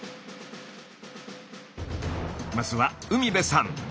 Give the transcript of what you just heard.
まずは海辺さん。